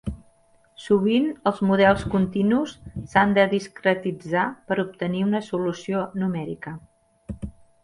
Sovint, els models continus s'han de discretitzar per obtenir una solució numèrica.